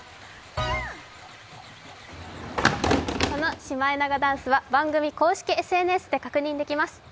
このシマエナガダンスは番組公式ＳＮＳで確認できます。